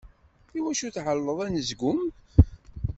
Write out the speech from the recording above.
Iwacu tɛelleḍ anezgum?